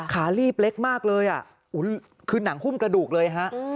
ขาลีบเล็กมากเลยคือหนังหุ้มกระดูกเลยฮะ